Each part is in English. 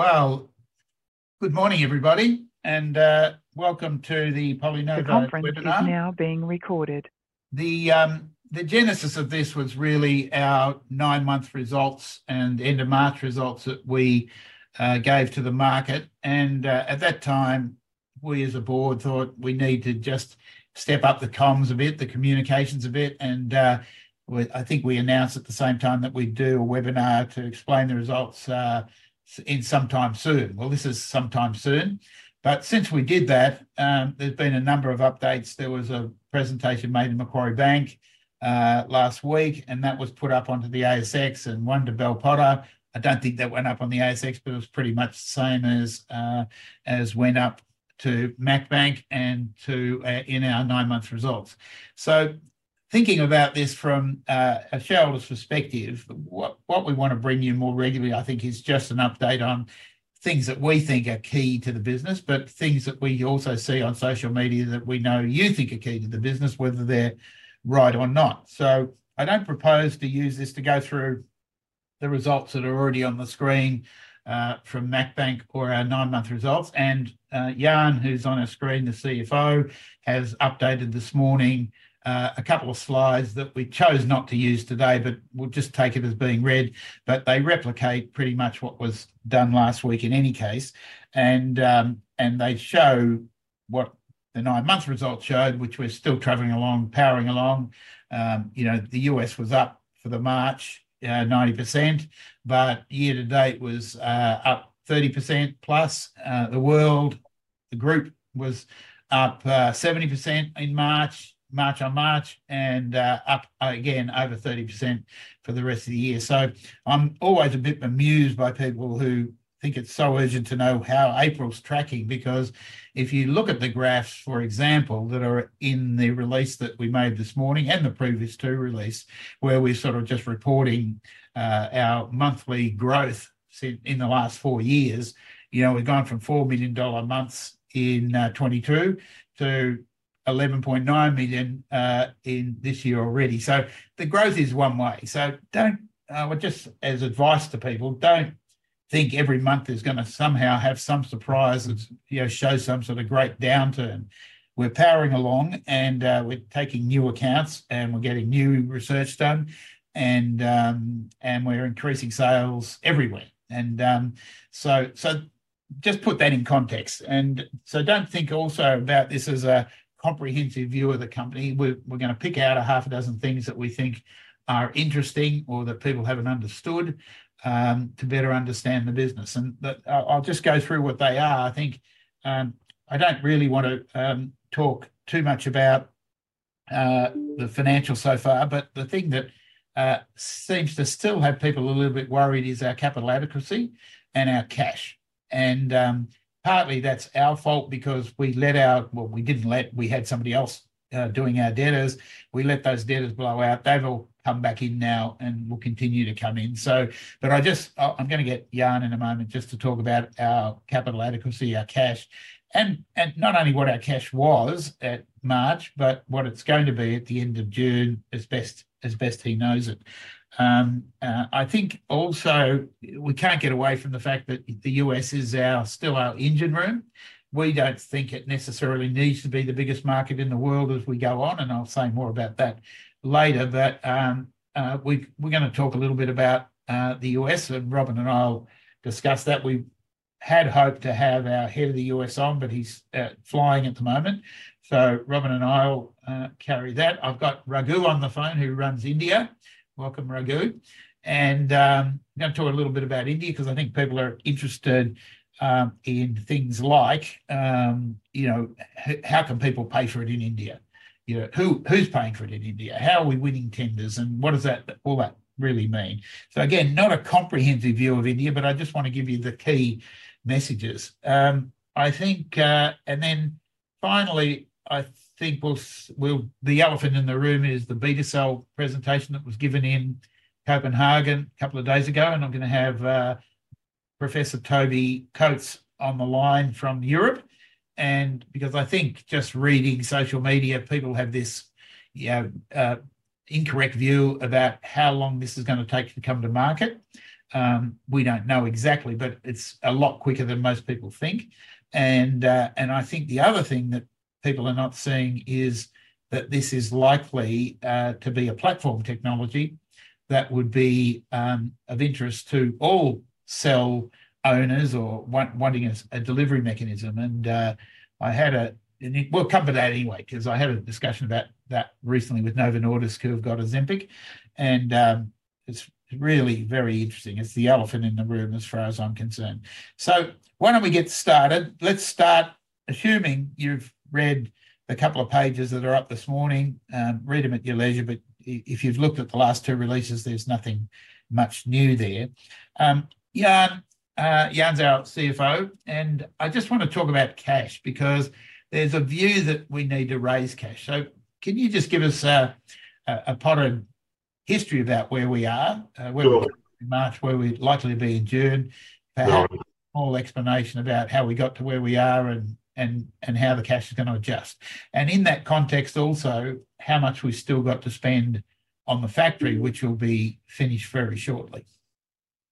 Good morning, everybody, and welcome to the PolyNovo Webinar. This conference is now being recorded. The genesis of this was really our nine-month results and end-of-March results that we gave to the market. At that time, we as a board thought we need to just step up the comms a bit, the communications a bit. I think we announced at the same time that we'd do a webinar to explain the results sometime soon. This is sometime soon. Since we did that, there's been a number of updates. There was a presentation made in Macquarie Bank last week, and that was put up onto the ASX and one to Bell Potter. I don't think that went up on the ASX, but it was pretty much the same as went up to Macquarie Bank and in our nine-month results. Thinking about this from a shareholder's perspective, what we want to bring you more regularly, I think, is just an update on things that we think are key to the business, but things that we also see on social media that we know you think are key to the business, whether they're right or not. I don't propose to use this to go through the results that are already on the screen from Macquarie Bank or our nine-month results. Jan, who's on our screen, the CFO, has updated this morning a couple of slides that we chose not to use today, but we'll just take it as being read. They replicate pretty much what was done last week, in any case. They show what the nine-month results showed, which is we're still traveling along, powering along. The U.S. was up for the March 90%, but year-to-date was up 30%+. The world, the group, was up 70% in March, March-on-March, and up again over 30% for the rest of the year. I am always a bit bemused by people who think it is so urgent to know how April is tracking, because if you look at the graphs, for example, that are in the release that we made this morning and the previous two releases, where we are sort of just reporting our monthly growth in the last four years, we have gone from 4 million dollar a month in 2022 to 11.9 million this year already. The growth is one way. Just as advice to people, do not think every month is going to somehow have some surprise, show some sort of great downturn. We're powering along, and we're taking new accounts, and we're getting new research done, and we're increasing sales everywhere. Just put that in context. Do not think also about this as a comprehensive view of the company. We're going to pick out half a dozen things that we think are interesting or that people have not understood to better understand the business. I'll just go through what they are. I think I do not really want to talk too much about the financials so far, but the thing that seems to still have people a little bit worried is our capital adequacy and our cash. Partly that's our fault because we let our—well, we did not let; we had somebody else doing our debtors. We let those debtors blow out. They've all come back in now, and they'll continue to come in. I'm going to get Jan in a moment just to talk about our capital adequacy, our cash, and not only what our cash was at March, but what it's going to be at the end of June as best he knows it. I think also we can't get away from the fact that the U.S. is still our engine room. We don't think it necessarily needs to be the biggest market in the world as we go on, and I'll say more about that later. We're going to talk a little bit about the U.S., and Robyn and I'll discuss that. We had hoped to have our head of the U.S. on, but he's flying at the moment. Robyn and I'll carry that. I've got Raghu on the phone, who runs India. Welcome, Raghu. I'm going to talk a little bit about India because I think people are interested in things like how can people pay for it in India? Who's paying for it in India? How are we winning tenders, and what does all that really mean? Again, not a comprehensive view of India, but I just want to give you the key messages. Finally, I think the elephant in the room is the Betacell presentation that was given in Copenhagen a couple of days ago. I'm going to have Professor Toby Coates on the line from Europe. I think just reading social media, people have this incorrect view about how long this is going to take to come to market. We don't know exactly, but it's a lot quicker than most people think. I think the other thing that people are not seeing is that this is likely to be a platform technology that would be of interest to all cell owners or wanting a delivery mechanism. We will come to that anyway because I had a discussion about that recently with Novo Nordisk, who have got Ozempic. It is really very interesting. It is the elephant in the room as far as I am concerned. Why do we not get started? Let's start assuming you have read a couple of pages that are up this morning. Read them at your leisure, but if you have looked at the last two releases, there is nothing much new there. Jan is our CFO, and I just want to talk about cash because there is a view that we need to raise cash. Can you just give us a potted history about where we are, where we're in March, where we'd likely be in June, perhaps a small explanation about how we got to where we are and how the cash is going to adjust? In that context, also, how much we've still got to spend on the factory, which will be finished very shortly.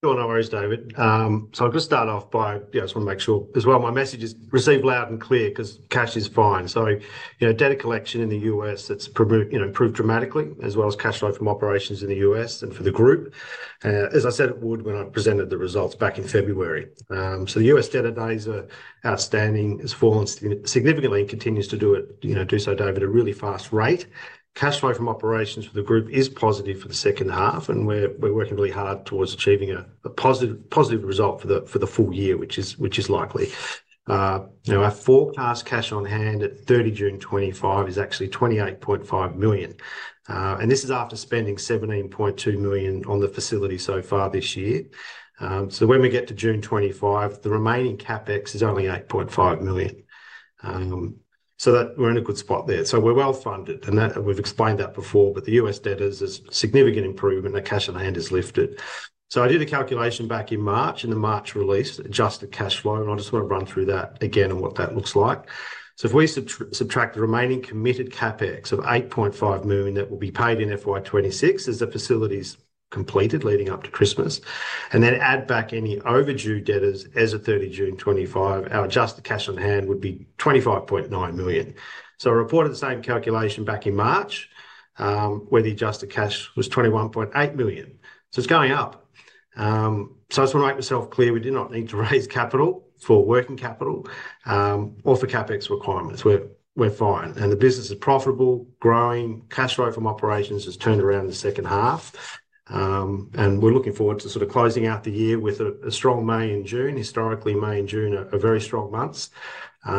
Sure, no worries, David. I'll just start off by—just want to make sure as well my message is received loud and clear because cash is fine. Data collection in the U.S., it's improved dramatically, as well as cash-flow from operations in the U.S. and for the group, as I said it would when I presented the results back in February. The U.S. data is outstanding. It's fallen significantly and continues to do so, David, at a really fast-rate. Cash-flow from operations for the group is positive for the second half, and we're working really hard towards achieving a positive result for the full year, which is likely. Our forecast cash on hand at 30 June 2025 is actually 28.5 million. This is after spending 17.2 million on the facility so far this year. When we get to June 2025, the remaining CapEx is only 8.5 million. We're in a good spot there. We're well funded, and we've explained that before, but the U.S. debtors is a significant improvement. The cash on hand is lifted. I did a calculation back in March in the March release, adjusted cash flow, and I just want to run through that again and what that looks like. If we subtract the remaining committed CapEx of 8.5 million that will be paid in FY 2026 as the facility's completed leading up to Christmas, and then add back any overdue debtors as of 30 June 2025, our adjusted cash on hand would be 25.9 million. I reported the same calculation back in March, where the adjusted cash was 21.8 million. It's going up. I just want to make myself clear we do not need to raise capital for working capital or for CapEx requirements. We are fine. The business is profitable, growing. Cash-flow from operations has turned around in the second half. We are looking forward to sort of closing out the year with a strong May and June. Historically, May and June are very strong months. We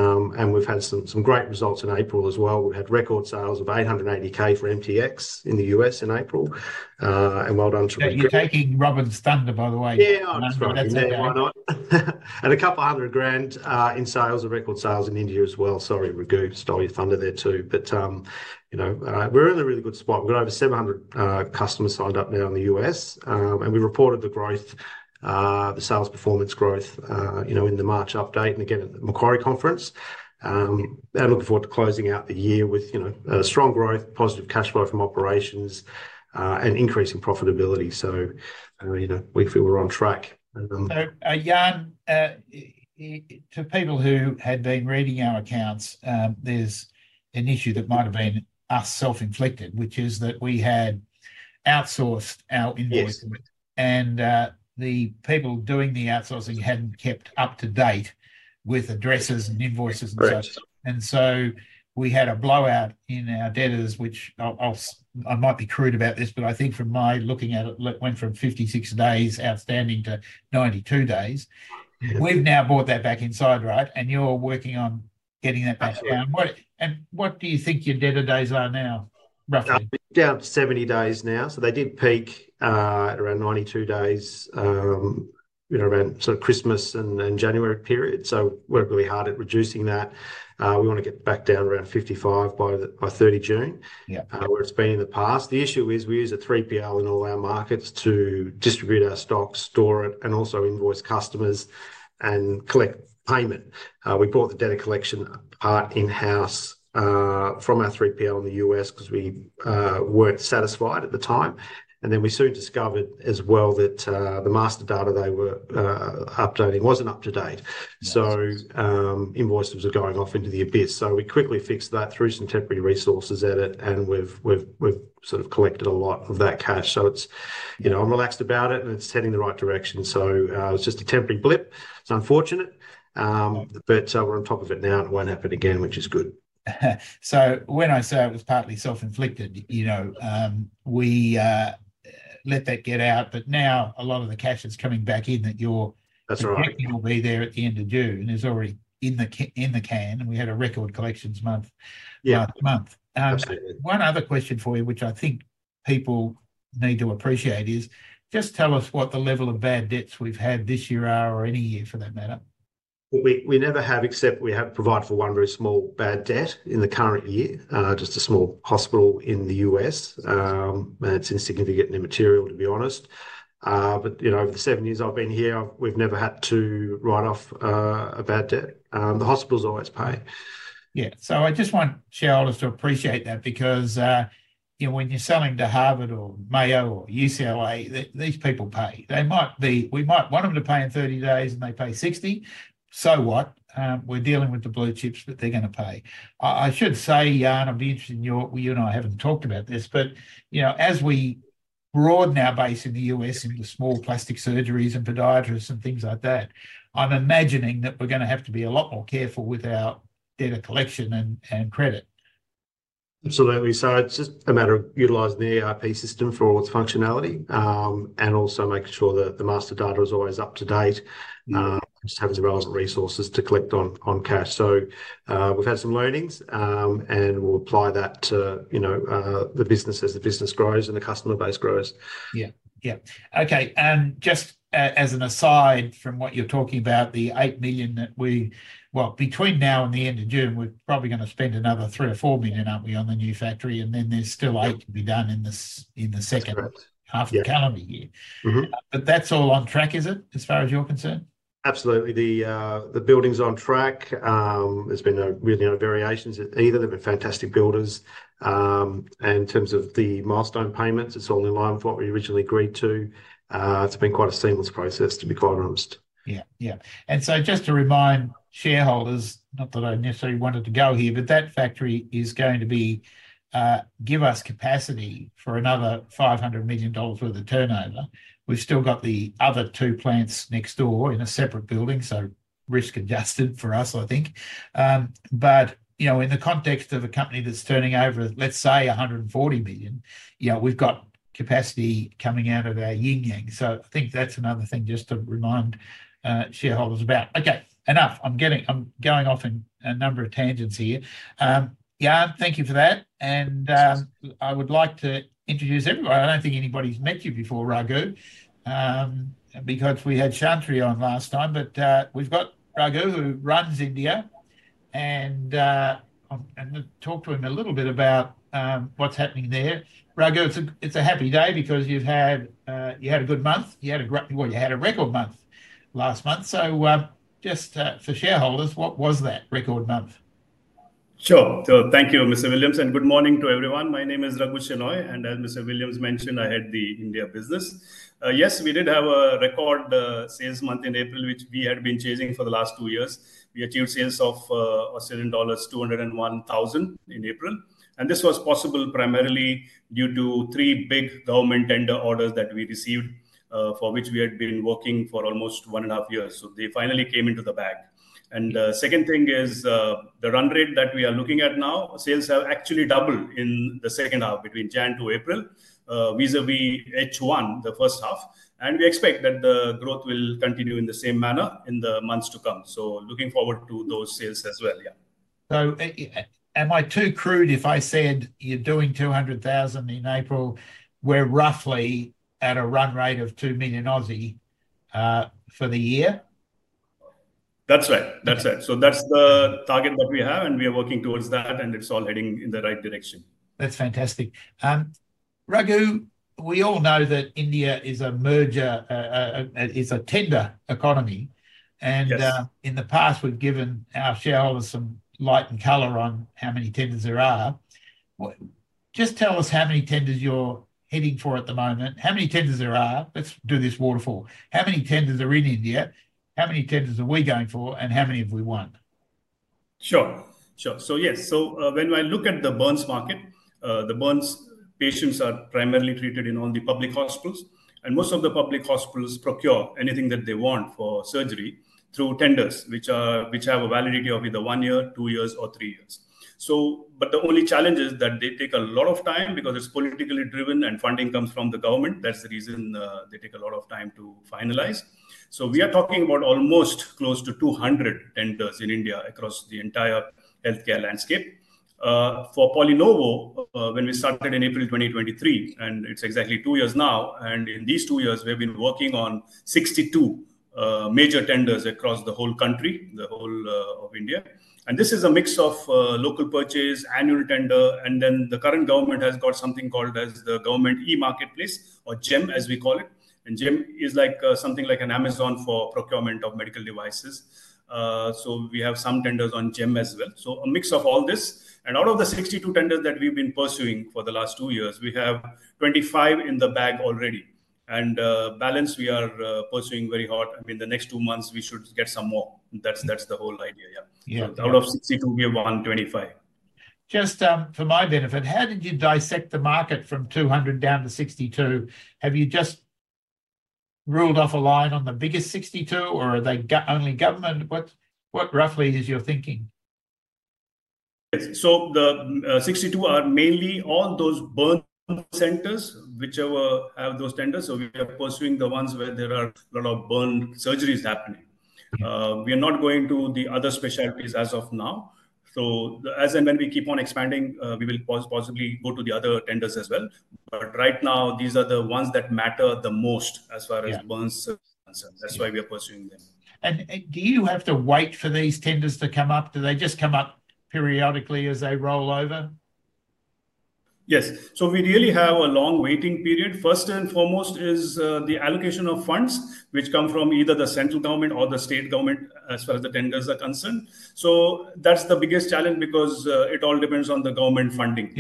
have had some great results in April as well. We have had record sales of 880,000 for MTX in the U.S. in April. Well done to— You're taking Robyn's thunder, by the way. Yeah, I'm sorry. That's okay. A couple of hundred grand in sales, record sales in India as well. Sorry, Raghu, stole your thunder there too. We are in a really good spot. We have over 700 customers signed up now in the U.S. We reported the growth, the sales performance growth in the March update and again at the Macquarie Conference. Looking forward to closing out the year with strong growth, positive cash-flow from operations, and increasing profitability. We feel we are on track. Jan, to people who had been reading our accounts, there's an issue that might have been us self-inflicted, which is that we had outsourced our invoicing, and the people doing the outsourcing hadn't kept up-to-date with addresses and invoices and such. We had a blowout in our debtors, which I might be crude about this, but I think from my looking at it, it went from 56 days outstanding to 92 days. We've now brought that back inside, right? You're working on getting that back around. What do you think your debtor days are now, roughly? Down to 70 days now. They did peak around 92 days around sort of Christmas and January period. We are really hard at reducing that. We want to get back down around 55 by 30 June, where it has been in the past. The issue is we use a 3PL in all our markets to distribute our stocks, store it, and also invoice customers and collect payment. We brought the data collection part in-house from our 3PL in the U.S. because we were not satisfied at the time. We soon discovered as well that the master data they were updating was not up-to-date. Invoices were going off into the abyss. We quickly fixed that, threw some temporary resources at it, and we have collected a lot of that cash. I am relaxed about it, and it is heading in the right direction. It's just a temporary blip. It's unfortunate, but we're on top of it now, and it won't happen again, which is good. When I say it was partly self-inflicted, we let that get out, but now a lot of the cash is coming back in that you're expecting will be there at the end of June. It's already in the can, and we had a record collections month last month. One other question for you, which I think people need to appreciate, is just tell us what the level of bad debts we've had this year are or any year for that matter. We never have, except we have provided for one very small bad debt in the current year, just a small hospital in the U.S. It's insignificant and immaterial, to be honest. Over the seven years I've been here, we've never had to write off a bad debt. The hospitals always pay. Yeah. I just want shareholders to appreciate that because when you're selling to Harvard or Mayo or UCLA, these people pay. We might want them to pay in 30 days, and they pay 60. So what? We're dealing with the blue chips that they're going to pay. I should say, Jan, I'd be interested in your—you and I haven't talked about this, but as we broaden our base in the U.S. into small plastic surgeries and podiatrists and things like that, I'm imagining that we're going to have to be a lot more careful with our data collection and credit. Absolutely. It is just a matter of utilizing the ERP system for its functionality and also making sure that the master data is always up-to-date, just having the relevant resources to collect on cash. We have had some learnings, and we will apply that to the business as the business grows and the customer base grows. Yeah. Yeah. Okay. Just as an aside from what you're talking about, the 8 million that we—well, between now and the end of June, we're probably going to spend another 3 million-4 million, aren't we, on the new factory, and then there's still 8 million to be done in the second half of the calendar year. That's all on track, is it, as far as you're concerned? Absolutely. The building's on track. There have been really no variations either. They have been fantastic builders. In terms of the milestone payments, it is all in line with what we originally agreed to. It has been quite a seamless process, to be quite honest. Yeah. Yeah. And just to remind shareholders, not that I necessarily wanted to go here, but that factory is going to give us capacity for another 500 million dollars worth of turnover. We've still got the other two plants next door in a separate building, so risk-adjusted for us, I think. In the context of a company that's turning over, let's say, 140 million, we've got capacity coming out of our yin-yang. I think that's another thing just to remind shareholders about. Okay. Enough. I'm going off a number of tangents here. Jan, thank you for that. I would like to introduce everyone. I don't think anybody's met you before, Raghu, because we had Shantri on last time, but we've got Raghu, who runs India, and talk to him a little bit about what's happening there. Raghu, it is a happy day because you have had a good month. You had a record month last month. Just for shareholders, what was that record month? Sure. Thank you, Mr. Williams, and good morning to everyone. My name is Raghu Shenoy, and as Mr. Williams mentioned, I head the India business. Yes, we did have a record sales month in April, which we had been chasing for the last two years. We achieved sales of Australian dollars 201,000 in April. This was possible primarily due to three big government tender orders that we received for which we had been working for almost one and a half years. They finally came into the bag. The second thing is the run rate that we are looking at now, sales have actually doubled in the second half between January to April vis-à-vis H1, the first half. We expect that the growth will continue in the same manner in the months to come. Looking forward to those sales as well. Yeah. Am I too crude if I said you're doing 200,000 in April? We're roughly at a run rate of 2 million for the year. That's right. That's right. That's the target that we have, and we are working towards that, and it's all heading in the right direction. That's fantastic. Raghu, we all know that India is a tender economy. In the past, we've given our shareholders some light and color on how many tenders there are. Just tell us how many tenders you're heading for at the moment. How many tenders are there? Let's do this waterfall. How many tenders are in India? How many tenders are we going for, and how many have we won? Sure. Sure. Yes. When I look at the Burns market, the Burns patients are primarily treated in all the public hospitals. Most of the public hospitals procure anything that they want for surgery through tenders, which have a validity of either one year, two years, or three years. The only challenge is that they take a lot of time because it's politically driven and funding comes from the government. That's the reason they take a lot of time to finalize. We are talking about almost close to 200 tenders in India across the entire healthcare landscape. For PolyNovo, when we started in April 2023, and it's exactly two-years now, in these two-years, we've been working on 62 major tenders across the whole country, the whole of India. This is a mix of local purchase, annual tender, and then the current government has got something called the government e-marketplace or GEM, as we call it. GEM is something like an Amazon for procurement of medical devices. We have some tenders on GEM as well. A mix of all this. Out of the 62 tenders that we've been pursuing for the last two-years, we have 25 in the bag already. The balance, we are pursuing very hot. I mean, in the next two months, we should get some more. That's the whole idea. Yeah. Out of 62, we have won 25. Just for my benefit, how did you dissect the market from 200 down to 62? Have you just ruled off a line on the biggest 62, or are they only government? What roughly is your thinking? Yes. The 62 are mainly all those Burns centers which have those tenders. We are pursuing the ones where there are a lot of Burns surgeries happening. We are not going to the other specialties as of now. As and when we keep on expanding, we will possibly go to the other tenders as well. Right now, these are the ones that matter the most as far as Burns concerns. That's why we are pursuing them. Do you have to wait for these tenders to come up? Do they just come up periodically as they roll over? Yes. We really have a long waiting period. First and foremost is the allocation of funds, which come from either the central government or the state government as far as the tenders are concerned. That is the biggest challenge because it all depends on the government funding.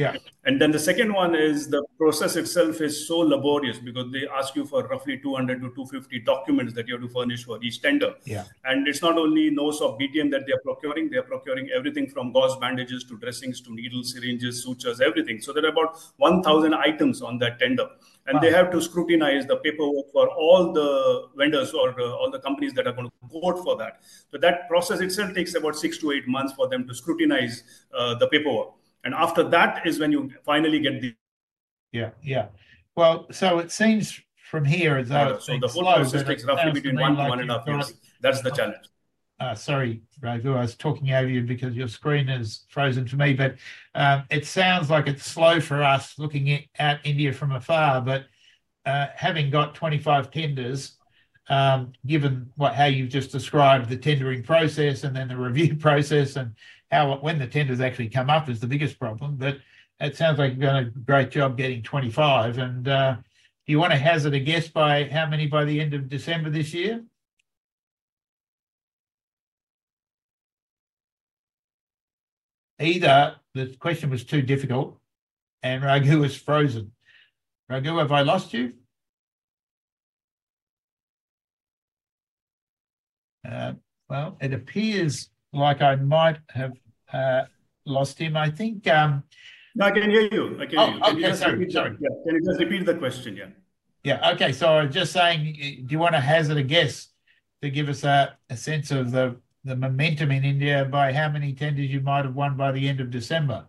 The second one is the process itself is so laborious because they ask you for roughly 200-250 documents that you have to furnish for each tender. It is not only those of BTM that they are procuring. They are procuring everything from gauze bandages to dressings to needles, syringes, sutures, everything. There are about 1,000 items on that tender. They have to scrutinize the paperwork for all the vendors or all the companies that are going to quote for that. That process itself takes about six to eight months for them to scrutinize the paperwork. After that is when you finally get the. Yeah. Yeah. It seems from here is that. The whole process takes roughly between one to one and a half years. That's the challenge. Sorry, Raghu, I was talking at you because your screen is frozen for me, but it sounds like it's slow for us looking at India from afar. Having got 25 tenders, given how you've just described the tendering process and then the review process and when the tenders actually come up is the biggest problem, but it sounds like you've done a great job getting 25. Do you want to hazard a guess by how many by the end of December this year? Either the question was too difficult, and Raghu was frozen. Raghu, have I lost you? It appears like I might have lost him. I think. No, I can hear you. I can hear you. Sorry. Sorry. Can you just repeat the question? Yeah. Yeah. Okay. So just saying, do you want to hazard a guess to give us a sense of the momentum in India by how many tenders you might have won by the end of December?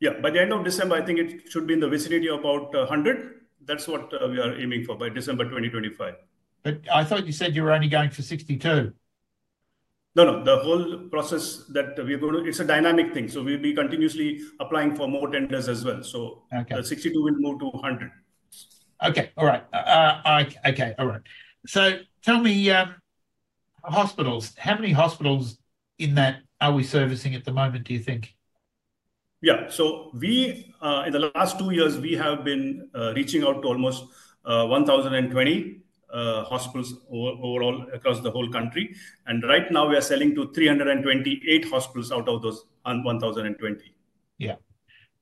Yeah. By the end of December, I think it should be in the vicinity of about 100. That's what we are aiming for by December 2025. I thought you said you were only going for 62. No, no. The whole process that we are going to, it's a dynamic thing. We will be continuously applying for more tenders as well. The 62 will move to 100. Okay. All right. Okay. All right. So tell me, hospitals, how many hospitals in that are we servicing at the moment, do you think? Yeah. In the last two-years, we have been reaching out to almost 1,020 hospitals overall across the whole country. Right now, we are selling to 328 hospitals out of those 1,020. Yeah.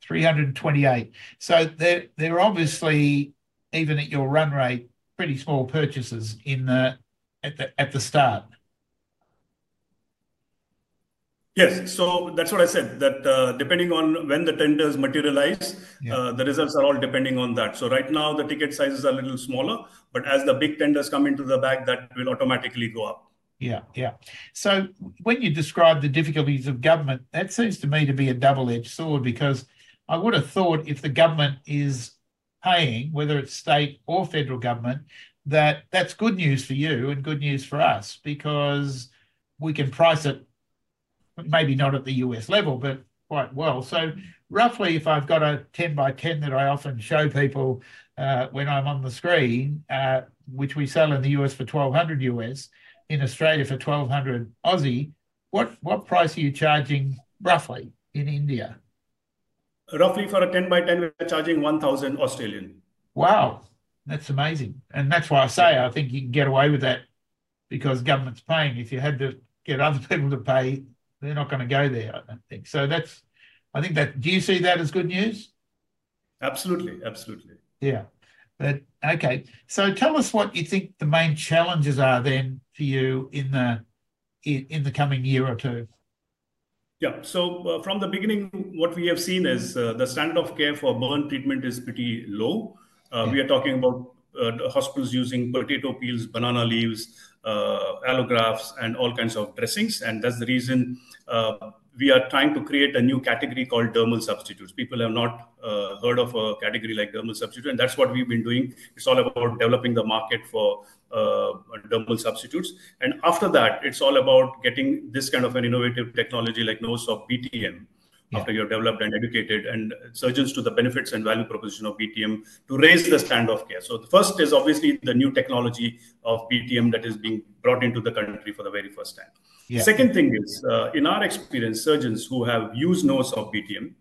328. So they were obviously, even at your run-rate, pretty small purchases at the start. Yes. That is what I said, that depending on when the tenders materialize, the results are all depending on that. Right now, the ticket sizes are a little smaller, but as the big tenders come into the bag, that will automatically go up. Yeah. Yeah. When you describe the difficulties of government, that seems to me to be a double-edged sword because I would have thought if the government is paying, whether it is state or federal government, that that is good news for you and good news for us because we can price it, maybe not at the U.S. level, but quite well. Roughly, if I have got a 10 by 10 that I often show people when I am on the screen, which we sell in the U.S. for $1,200, in Australia for 1,200, what price are you charging roughly in India? Roughly for a 10 by 10, we're charging 1,000. Wow. That's amazing. That's why I say I think you can get away with that because government's paying. If you had to get other people to pay, they're not going to go there, I think. I think that do you see that as good news? Absolutely. Absolutely. Yeah. Okay. So tell us what you think the main challenges are then for you in the coming year or two. Yeah. From the beginning, what we have seen is the standard of care for burns treatment is pretty low. We are talking about hospitals using potato peels, banana leaves, allografts, and all kinds of dressings. That is the reason we are trying to create a new category called dermal substitutes. People have not heard of a category like dermal substitutes, and that is what we have been doing. It is all about developing the market for dermal substitutes. After that, it is all about getting this kind of an innovative technology like those of BTM after you have developed and educated surgeons to the benefits and value proposition of BTM to raise the standard of care. The first is obviously the new technology of BTM that is being brought into the country for the very first-time. The second thing is, in our experience, surgeons who have used NovoSorb BTM,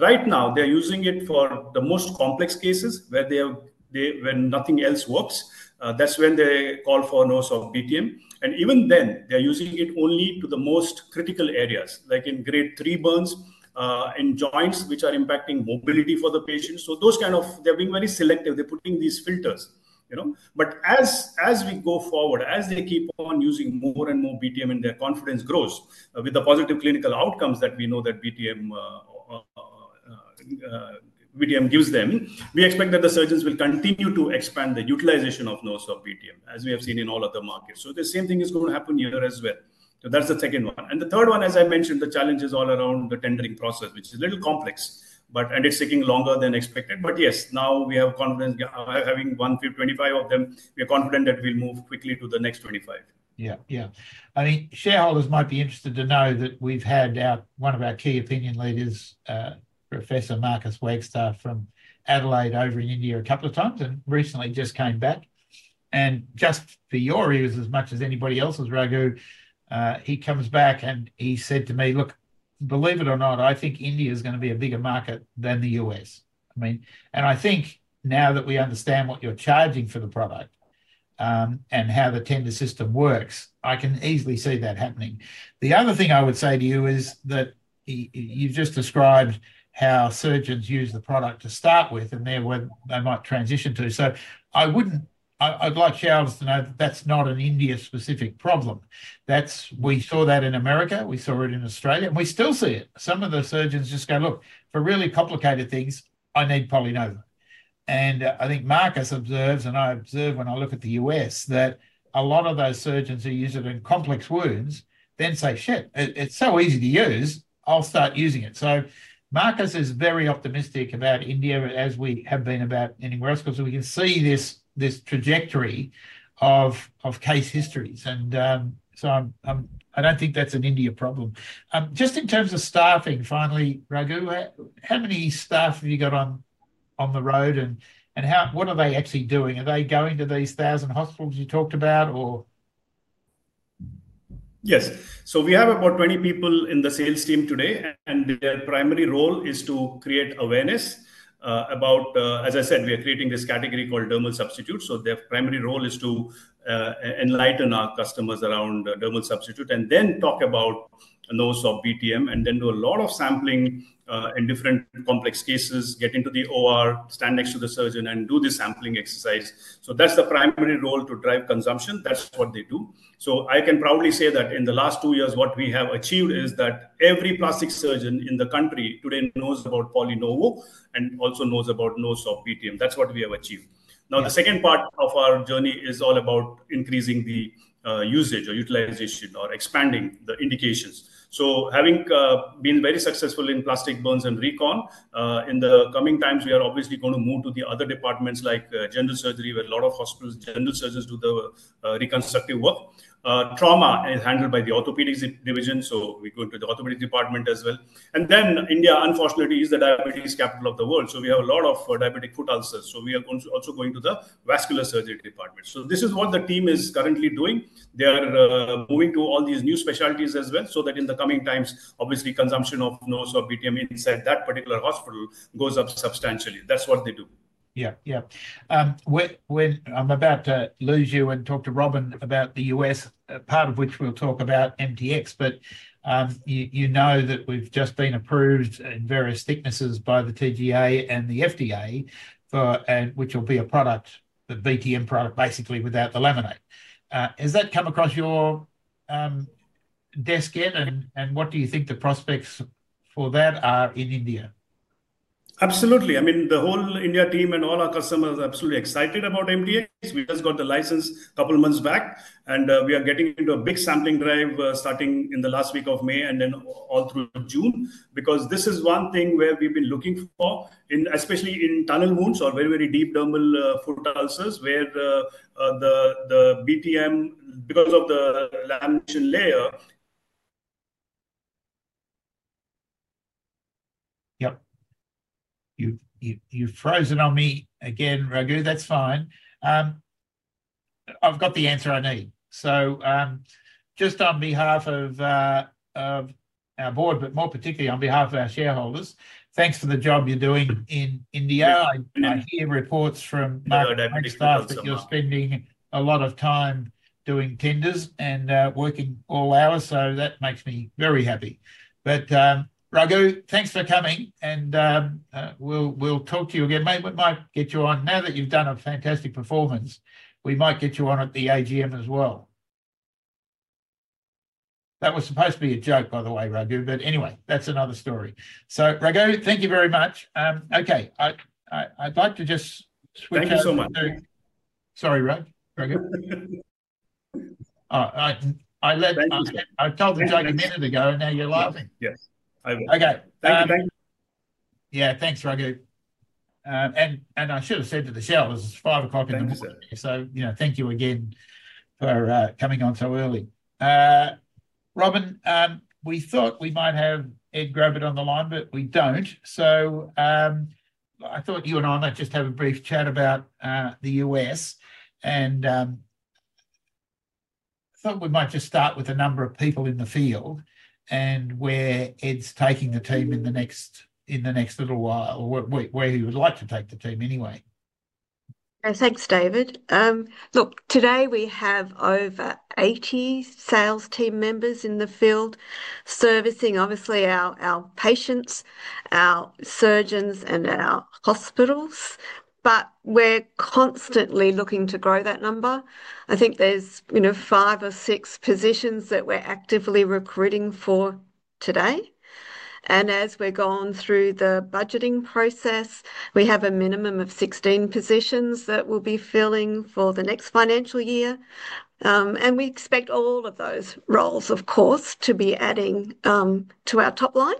right now, they're using it for the most complex cases where nothing else works. That's when they call for NovoSorb BTM. Even then, they're using it only in the most critical areas, like in grade 3 burns, in joints, which are impacting mobility for the patients. They're being very selective. They're putting these filters. As we go forward, as they keep on using more-and-more BTM and their confidence grows with the positive clinical outcomes that we know that BTM gives them, we expect that the surgeons will continue to expand the utilization of NovoSorb BTM, as we have seen in all of the markets. The same thing is going to happen here as well. That's the second one. The third one, as I mentioned, the challenge is all around the tendering process, which is a little complex, and it's taking longer than expected. Yes, now we have confidence having 125 of them. We are confident that we'll move quickly to the next 25. Yeah. Yeah. I mean, shareholders might be interested to know that we've had one of our key opinion leaders, Professor Marcus Wiese from Adelaide over in India a couple of times and recently just came back. And just for your ears, as much as anybody else's, Raghu, he comes back and he said to me, "Look, believe it or not, I think India is going to be a bigger market than the U.S." I mean, and I think now that we understand what you're charging for the product and how the tender system works, I can easily see that happening. The other thing I would say to you is that you just described how surgeons use the product to start with and then they might transition to. So I'd like shareholders to know that that's not an India-specific problem. We saw that in America. We saw it in Australia, and we still see it. Some of the surgeons just go, "Look, for really complicated things, I need PolyNovo." I think Marcus observes, and I observe when I look at the U.S., that a lot of those surgeons who use it in complex wounds then say, "Shit, it's so easy to use. I'll start using it." Marcus is very optimistic about India, as we have been about anywhere else because we can see this trajectory of case histories. I don't think that's an India problem. Just in terms of staffing, finally, Raghu, how many staff have you got on the road, and what are they actually doing? Are they going to these thousand hospitals you talked about, or? Yes. We have about 20 people in the sales team today, and their primary role is to create awareness about, as I said, we are creating this category called dermal substitutes. Their primary role is to enlighten our customers around dermal substitutes and then talk about those of BTM and then do a lot of sampling in different complex cases, get into the OR, stand next to the surgeon, and do the sampling exercise. That is the primary role to drive consumption. That is what they do. I can proudly say that in the last two years, what we have achieved is that every plastic surgeon in the country today knows about PolyNovo and also knows about those of BTM. That is what we have achieved. Now, the second part of our journey is all about increasing the usage or utilization or expanding the indications. Having been very successful in plastic burns and recon in the coming times, we are obviously going to move to the other departments like general surgery, where a lot of hospitals, general surgeons do the reconstructive work. Trauma is handled by the orthopedic division, so we go into the orthopedic department as well. India, unfortunately, is the diabetes capital of the world. We have a lot of diabetic foot ulcers. We are also going to the vascular surgery department. This is what the team is currently doing. They are moving to all these new specialties as well so that in the coming times, obviously, consumption of those of BTM inside that particular hospital goes up substantially. That is what they do. Yeah. Yeah. I'm about to lose you and talk to Robyn about the U.S., part of which we'll talk about MTX. But you know that we've just been approved in various thicknesses by the TGA and the FDA, which will be a product, the BTM product, basically without the laminate. Has that come across your desk yet, and what do you think the prospects for that are in India? Absolutely. I mean, the whole India team and all our customers are absolutely excited about MTX. We just got the license a couple of months back, and we are getting into a big sampling drive starting in the last week of May and then all through June because this is one thing where we've been looking for, especially in tunnel wounds or very, very deep dermal foot ulcers where the BTM, because of the lamination layer. Yep. You froze it on me again, Raghu. That's fine. I've got the answer I need. Just on-behalf of our board, but more particularly on behalf of our shareholders, thanks for the job you're doing in India. I hear reports from Marcus that you're spending a lot-of-time doing tenders and working all hours, so that makes me very happy. Raghu, thanks for coming, and we'll talk to you again. We might get you on now that you've done a fantastic performance. We might get you on at the AGM as well. That was supposed to be a joke, by the way, Raghu, but anyway, that's another story. Raghu, thank you very much. Okay. I'd like to just switch over to. Thank you so much. Sorry, Raghu. I told the joke a minute ago, and now you're laughing. Yes. I will. Okay. Thank you. Yeah. Thanks, Raghu. I should have said to the shareholders, it's 5:00 P.M. Thank you again for coming on so early. Robyn, we thought we might have Ed Grobat on the line, but we do not. I thought you and I might just have a brief chat about the U.S. I thought we might just start with a number of people in the field and where Ed's taking the team in the next little while or where he would like to take the team anyway. Thanks, David. Look, today we have over 80 sales team members in the field servicing, obviously, our patients, our surgeons, and our hospitals. We are constantly looking to grow that number. I think there are five or six positions that we are actively recruiting for today. As we are going through the budgeting process, we have a minimum of 16 positions that we will be filling for the next financial year. We expect all of those roles, of course, to be adding to our top line.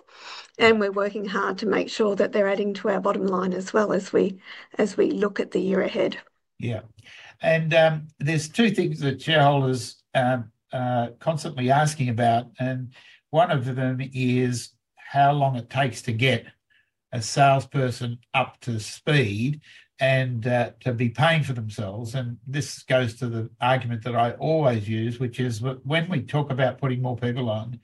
We are working hard to make sure that they are adding to our bottom line as well as we look at the year ahead. Yeah. There are two things that shareholders are constantly asking about. One of them is how long it takes to get a salesperson up to speed and to be paying for themselves. This goes to the argument that I always use, which is when we talk about putting more people on,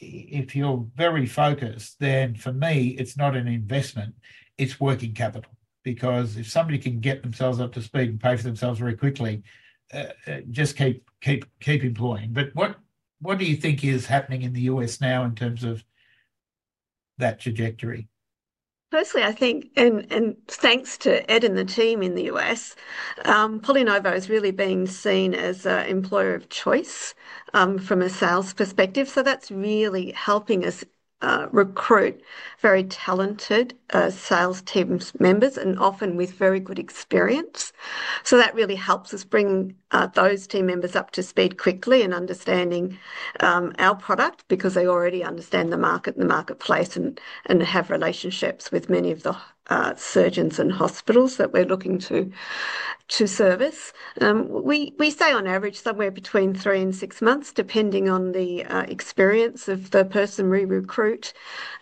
if you're very focused, then for me, it's not an investment. It's working capital. Because if somebody can get themselves up to speed and pay for themselves very quickly, just keep employing. What do you think is happening in the U.S. now in terms of that trajectory? Firstly, I think, and thanks to Ed and the team in the U.S., PolyNovo has really been seen as an employer of choice from a sales perspective. That is really helping us recruit very talented sales team members and often with very good experience. That really helps us bring those team members up to speed quickly and understanding our product because they already understand the market and the marketplace and have relationships with many of the surgeons and hospitals that we're looking to service. We say on average somewhere between three and six months, depending on the experience of the person we recruit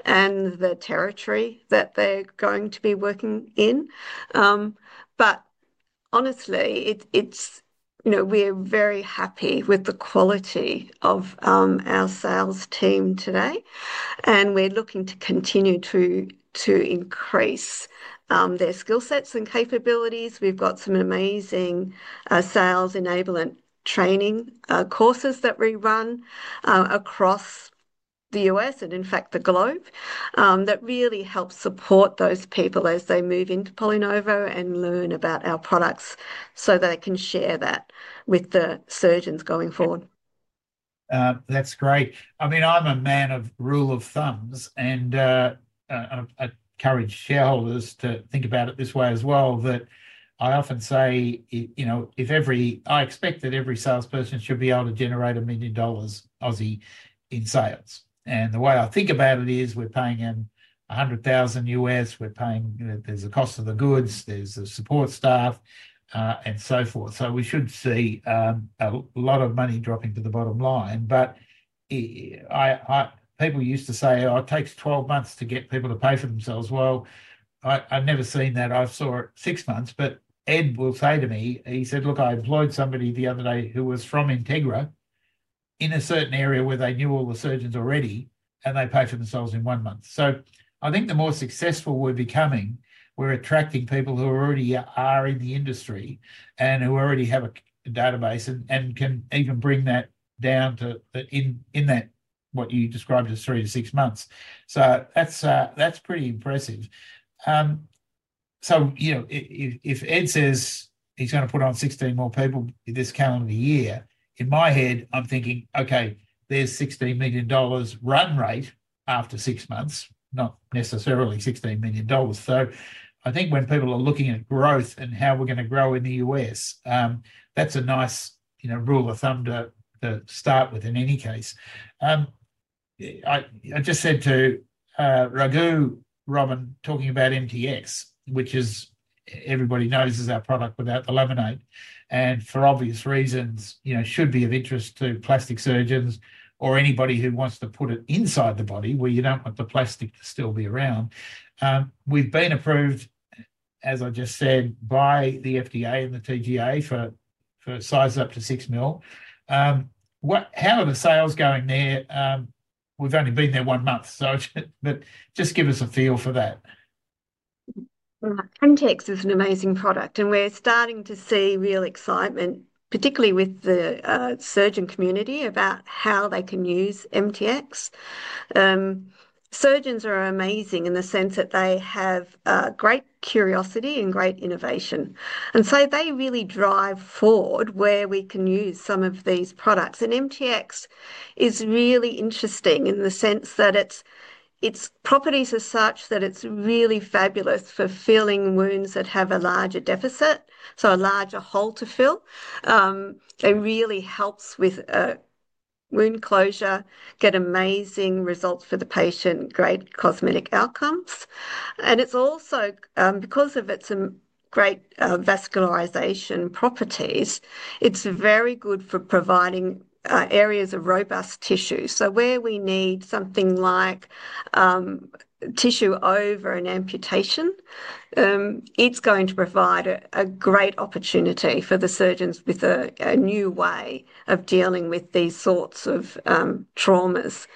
and the territory that they're going to be working in. Honestly, we're very happy with the quality of our sales team today. We are looking to continue to increase their skill sets and capabilities. We've got some amazing sales enablement training courses that we run across the U.S. and, in fact, the globe that really help support those people as they move into PolyNovo and learn about our products so they can share that with the surgeons going forward. That's great. I mean, I'm a man of rule of thumbs, and I encourage shareholders to think about it this way as well. I often say, "I expect that every salesperson should be able to generate a million-dollar in sales." The way I think about it is we're paying them $100,000. There's the cost of the goods. There's the support staff and so forth. We should see a lot of money dropping to the bottom line. People used to say, "It takes 12 months to get people to pay for themselves." I've never seen that. I saw it six months. Ed will say to me, he said, "Look, I employed somebody the other day who was from Integra in a certain area where they knew all the surgeons already, and they paid for themselves in one month." I think the more successful we're becoming, we're attracting people who already are in the industry and who already have a database and can even bring that down to in that what you described as three to six months. That's pretty impressive. If Ed says he's going to put on 16 more people this calendar year, in my head, I'm thinking, "Okay, there's 16 million dollars run-ate after six months, not necessarily 16 million dollars." I think when people are looking at growth and how we're going to grow in the U.S., that's a nice rule of thumb to start with, in any case. I just said to Raghu, Robyn, talking about MTX, which everybody knows is our product without the laminate, and for obvious reasons should be of interest to plastic surgeons or anybody who wants to put it inside the body where you do not want the plastic to still be around. We have been approved, as I just said, by the FDA and the TGA for size up to 6 mils. How are the sales going there? We have only been there one month, but just give us a feel for that. MTX is an amazing product, and we're starting to see real excitement, particularly with the surgeon community about how they can use MTX. Surgeons are amazing in the sense that they have great curiosity and great innovation. They really drive forward where we can use some of these products. MTX is really interesting in the sense that its properties are such that it's really fabulous for filling wounds that have a larger deficit, so a larger hole to fill. It really helps with wound closure, get amazing results for the patient, great cosmetic outcomes. It's also because of its great vascularization properties, it's very good for providing areas of robust tissue. Where we need something like tissue over an amputation, it's going to provide a great opportunity for the surgeons with a new way of dealing with these sorts of traumas.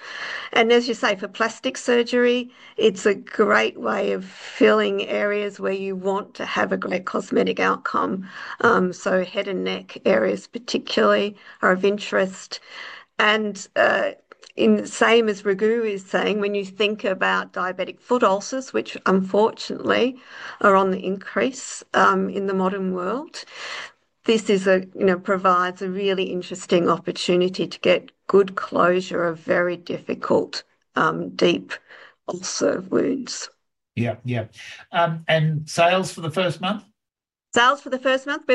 As you say, for plastic surgery, it is a great way of filling areas where you want to have a great cosmetic outcome. Head and neck areas particularly are of interest. Same as Raghu is saying, when you think about diabetic foot ulcers, which unfortunately are on the increase in the modern world, this provides a really interesting opportunity to get good closure of very difficult deep ulcer wounds. Yep. Yep. And sales for the first month? Sales for the first month?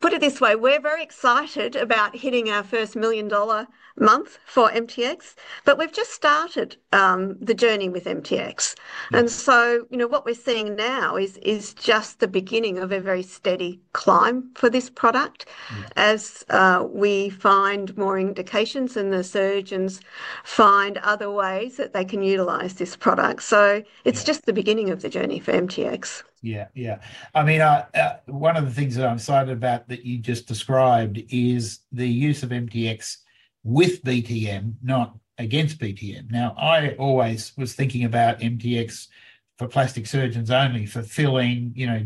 Put it this way. We're very excited about hitting our first a million-dollar month for MTX, but we've just started the journey with MTX. What we're seeing now is just the beginning of a very steady climb for this product as we find more indications and the surgeons find other ways that they can utilize this product. It's just the beginning of the journey for MTX. Yeah. Yeah. I mean, one of the things that I'm excited about that you just described is the use of MTX with BTM, not-against BTM. Now, I always was thinking about MTX for plastic surgeons only for filling. I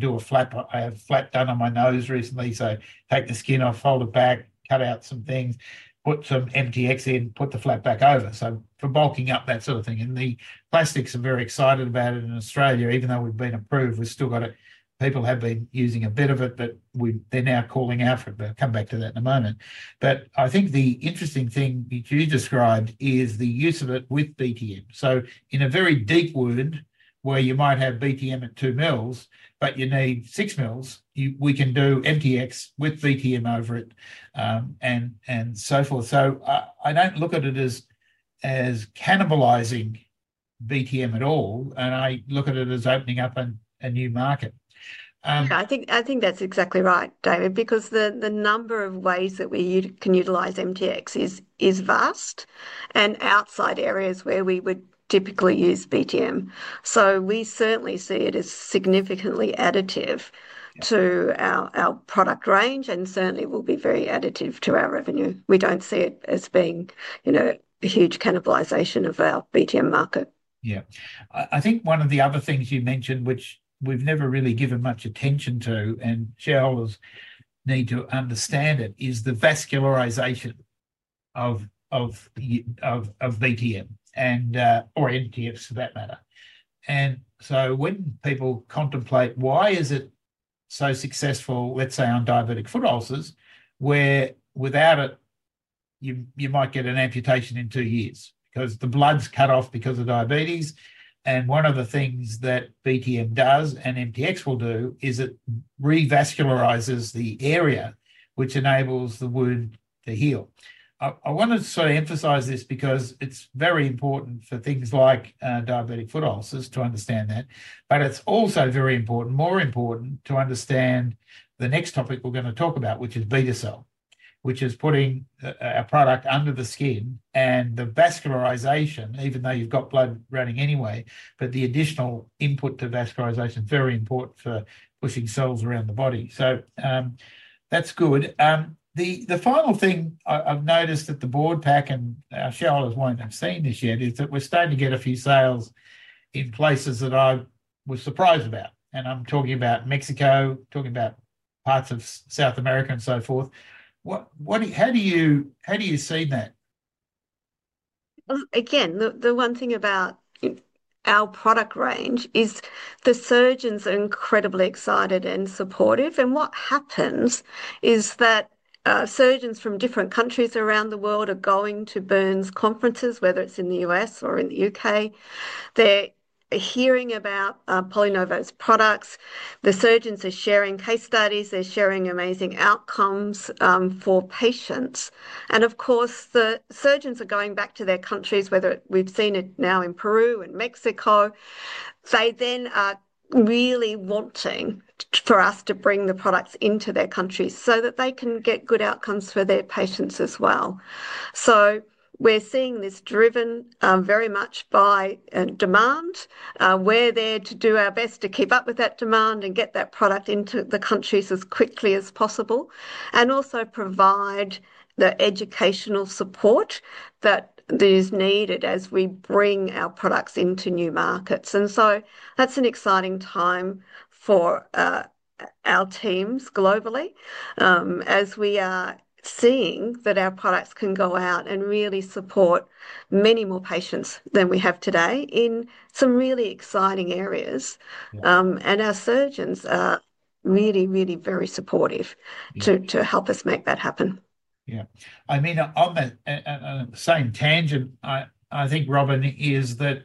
had a flap done on my nose recently, so take the skin off, fold it back, cut out some things, put some MTX in, put the flap back over. For bulking up, that sort of thing. The plastics are very excited about it in Australia. Even though we've been approved, we've still got it. People have been using a bit of it, but they're now calling out for it. I'll come back to that in a moment. I think the interesting thing you described is the use of it with BTM. In a very deep wound where you might have BTM at 2 mils, but you need 6 mils, we can do MTX with BTM over it and so forth. I do not look at it as cannibalizing BTM at all, and I look at it as opening up a new market. I think that's exactly right, David, because the number of ways that we can utilize MTX is vast and outside areas where we would typically use BTM. We certainly see it as significantly additive to our product range and certainly will be very additive to our revenue. We do not see it as being a huge cannibalization of our BTM market. Yeah. I think one of the other things you mentioned, which we've never really given much attention to and shareholders need to understand it, is the vascularization of BTM or MTX for that matter. When people contemplate, "Why is it so successful, let's say, on diabetic foot ulcers where without it, you might get an amputation in two years?" Because the blood's cut off because of diabetes. One of the things that BTM does and MTX will do is it revascularizes the area, which enables the wound to heal. I want to sort of emphasize this because it's very important for things like diabetic foot ulcers to understand that. It's also very important, more important, to understand the next topic we're going to talk about, which is Betacell, which is putting our product under the skin. The vascularization, even though you've got blood running anyway, but the additional input to vascularization is very important for pushing cells around the body. That is good. The final thing I've noticed that the board pack and our shareholders won't have seen this yet is that we're starting to get a few sales in places that I was surprised about. I'm talking about Mexico, talking about parts of South America and so forth. How do you see that? Again, the one thing about our product range is the surgeons are incredibly excited and supportive. What happens is that surgeons from different countries around the world are going to Burns conferences, whether it is in the U.S. or in the U.K. They are hearing about PolyNovo's products. The surgeons are sharing case studies. They are sharing amazing outcomes for patients. Of course, the surgeons are going back to their countries, whether we have seen it now in Peru and Mexico. They then are really wanting for us to bring the products into their countries so that they can get good outcomes for their patients as well. We are seeing this driven very much by demand. are there to do our best to keep up with that demand and get that product into the countries as quickly as possible and also provide the educational support that is needed as we bring our products into new markets. That is an exciting time for our teams globally as we are seeing that our products can go out and really support many more patients than we have today in some really exciting areas. Our surgeons are really, really very supportive to help us make that happen. Yeah. I mean, on the same tangent, I think, Robyn, is that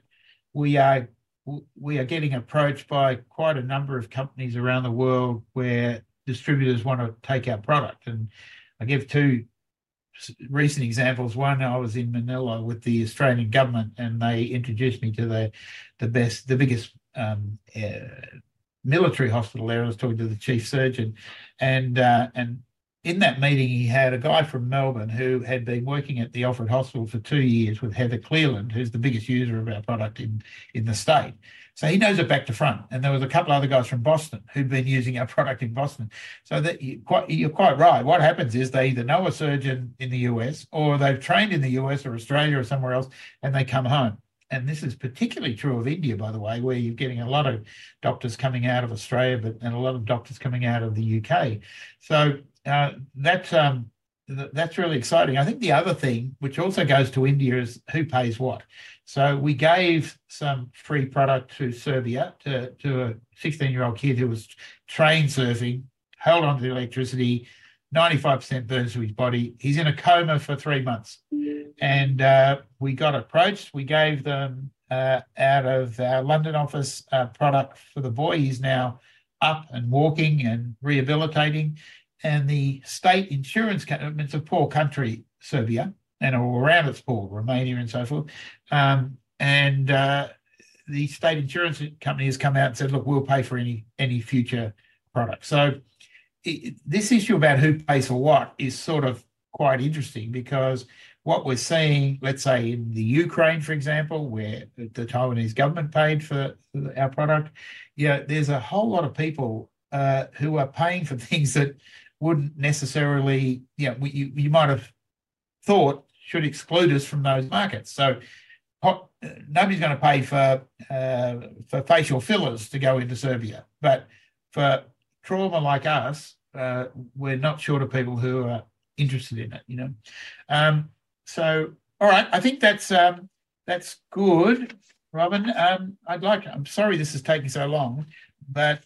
we are getting approached by quite a number of companies around the world where distributors want to take our product. I give two recent examples. One, I was in Manila with the Australian government, and they introduced me to the biggest military hospital there. I was talking to the chief surgeon. In that meeting, he had a guy from Melbourne who had been working at the Alfred Hospital for two-years with Heather Cleland, who's the biggest user of our product in the state. He knows it back-to-front. There were a couple of other guys from Boston who had been using our product in Boston. You are quite right. What happens is they either know a surgeon in the U.S. or they've trained in the U.S. or Australia or somewhere else, and they come home. This is particularly true of India, by the way, where you're getting a lot of doctors coming out of Australia and a lot of doctors coming out of the U.K. That's really exciting. I think the other thing, which also goes to India, is who pays what. We gave some free product to Serbia to a 16-year-old kid who was trained surfing, held on to the electricity, 95% burns to his body. He's in a coma for three-months. We got approached. We gave them, out-of-our London office, product for the boy. He's now up and walking and rehabilitating. The state insurance companies are poor country, Serbia, and all around, it's poor, Romania, and so forth. The state insurance company has come out and said, "Look, we'll pay for any future product." This issue about who pays for what is sort of quite interesting because what we're seeing, let's say, in Ukraine, for example, where the Taiwanese government paid for our product, there's a whole lot of people who are paying for things that wouldn't necessarily you might have thought should exclude us from those markets. Nobody's going to pay for facial fillers to go into Serbia. For trauma like us, we're not short of people who are interested in it. All right, I think that's good, Robyn. I'm sorry this is taking so long, but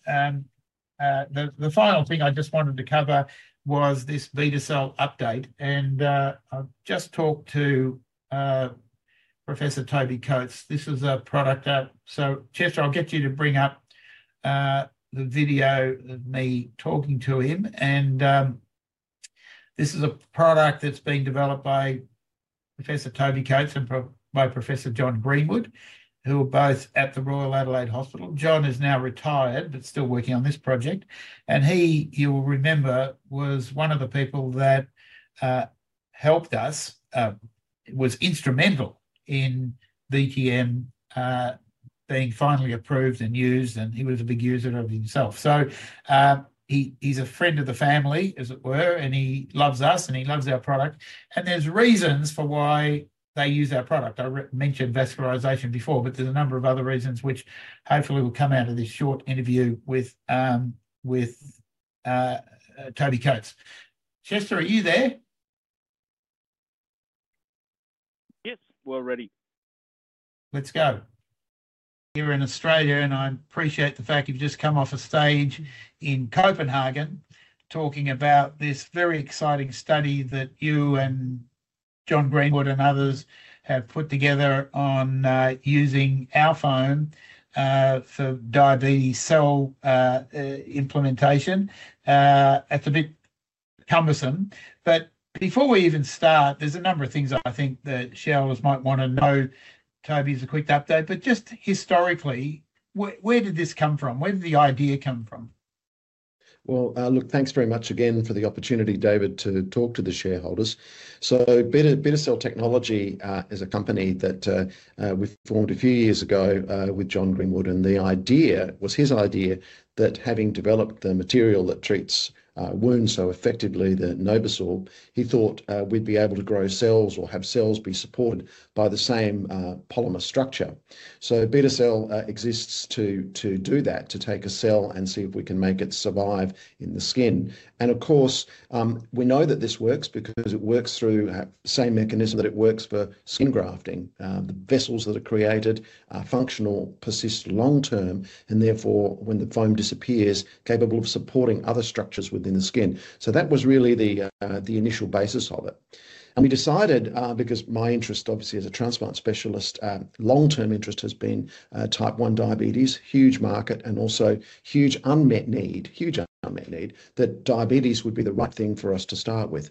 the final thing I just wanted to cover was this Betacell update. I've just talked to Professor Toby Coates. This was a product, so Chester, I'll get you to bring up the video of me talking to him. This is a product that's being developed by Professor Toby Coates and by Professor John Greenwood, who are both at the Royal Adelaide Hospital. John is now retired but still working on this project. He, you'll remember, was one of the people that helped us, was instrumental in BTM being finally approved and used. He was a big user of it himself. He is a friend of the family, as it were, and he loves us and he loves our product. There are reasons for why they use our product. I mentioned vascularization before, but there are a number of other reasons which hopefully will come out of this short interview with Toby Coates. Chester, are you there? Yes. We're ready. Let's go. Here in Australia, and I appreciate the fact you've just come off a stage in Copenhagen talking about this very exciting study that you and John Greenwood and others have put together on using our foam for diabetes cell implementation. It's a bit cumbersome. Before we even start, there's a number of things I think that shareholders might want to know. Toby's a quick update, but just historically, where did this come from? Where did the idea come from? Thank you very much again for the opportunity, David, to talk to the shareholders. Betacell Technologies is a company that we formed a few years ago with John Greenwood. The idea was his idea that having developed the material that treats wounds so effectively, the NovoSorb, he thought we would be able to grow cells or have cells be supported by the same polymer structure. Betacell exists to do that, to take a cell and see if we can make it survive in the skin. Of course, we know that this works because it works through the same mechanism that it works for skin grafting. The vessels that are created are functional, persist long-term, and therefore, when the foam disappears, are capable of supporting other structures within the skin. That was really the initial basis of it. We decided, because my interest, obviously, as a transplant specialist, long-term interest has been type 1 diabetes, huge market, and also huge unmet need, huge unmet need, that diabetes would be the right thing for us to start with.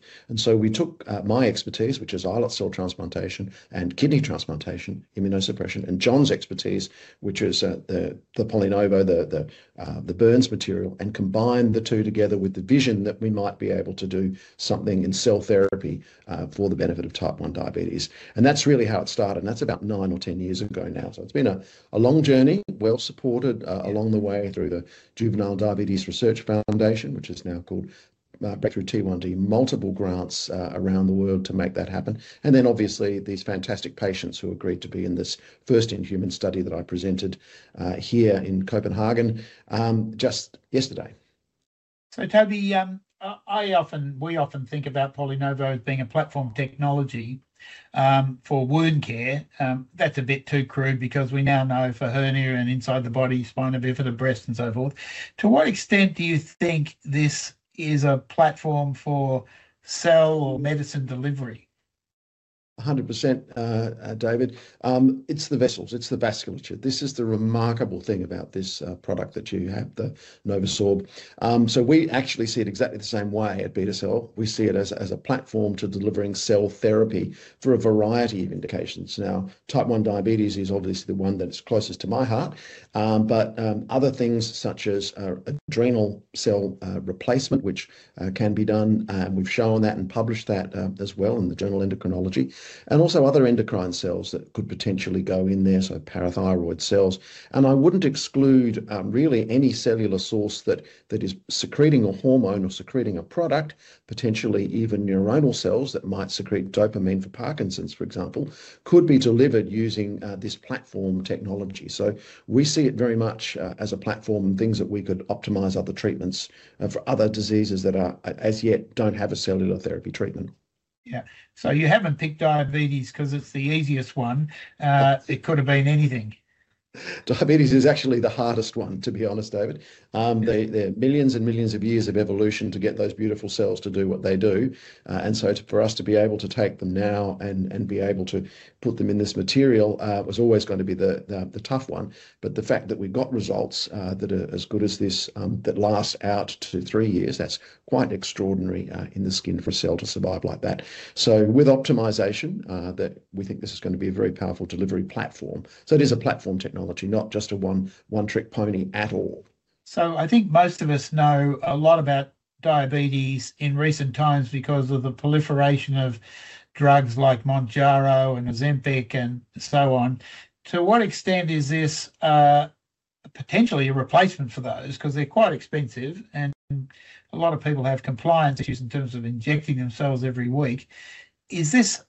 We took my expertise, which is islet cell transplantation and kidney transplantation, immunosuppression, and John's expertise, which is the PolyNovo, the Burns material, and combined the two together with the vision that we might be able to do something in cell therapy for the benefit of type 1 diabetes. That's really how it started. That's about nine or ten years ago now. It has been a long journey, well-supported along the way through the Juvenile Diabetes Research Foundation, which is now called Breakthrough T1D, multiple grants around the world to make that happen. Obviously, these fantastic patients who agreed to be in this first in-human study that I presented here in Copenhagen just yesterday. Toby, we often think about PolyNovo as being a platform technology for wound care. That's a bit too crude because we now know for hernia and inside the body, spina bifida, breast, and so forth. To what extent do you think this is a platform for cell or medicine delivery? 100%, David. It's the vessels. It's the vasculature. This is the remarkable thing about this product that you have, the NovoSorb. We actually see it exactly the same way at Betacell. We see it as a platform to delivering cell therapy for a variety of indications. Now, type 1 diabetes is obviously the one that is closest to my heart, but other things such as adrenal cell replacement, which can be done. We've shown that and published that as well in the Journal of Endocrinology. Also, other endocrine cells that could potentially go in there, so parathyroid cells. I wouldn't exclude really any cellular source that is secreting a hormone or secreting a product, potentially even neuronal cells that might secrete dopamine for Parkinson's, for example, could be delivered using this platform technology. We see it very much as a platform and things that we could optimize, other treatments for other diseases that as yet do not have a cellular therapy treatment. Yeah. You haven't picked diabetes because it's the easiest one. It could have been anything. Diabetes is actually the hardest one, to be honest, David. There are millions-and-millions of years of evolution to get those beautiful cells to do what they do. For us to be able to take them now and be able to put them in this material was always going to be the tough one. The fact that we've got results that are as good as this that last out to three years, that's quite extraordinary in the skin for a cell to survive like that. With optimization, we think this is going to be a very powerful delivery platform. It is a platform technology, not just a one-trick pony at all. I think most of us know a lot about diabetes in recent times because of the proliferation of drugs like Mounjaro and Ozempic and so on. To what extent is this potentially a replacement for those? Because they're quite expensive and a lot of people have compliance issues in terms of injecting themselves every week. Is this